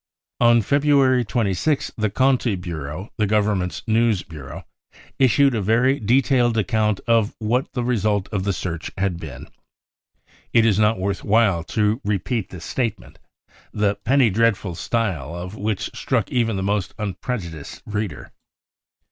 " On February 26th the Conti Bureau, the Government's news ffiureau, issued a very detailed account of what the result of the search had been. It is not worth while to' repeat this statement, the penny dreadful style of which struck even the most unprejudiced reader.